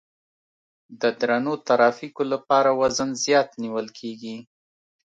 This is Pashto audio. د درنو ترافیکو لپاره وزن زیات نیول کیږي